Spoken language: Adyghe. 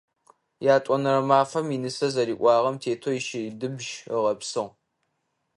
Ятӏонэрэ мафэм инысэ зэриӏуагъэм тетэу ищыдыбжь ыгъэпсыгъ.